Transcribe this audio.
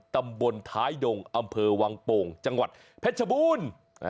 ตำบลท้ายดงอำเภอวังโป่งจังหวัดเพชรบูรณ์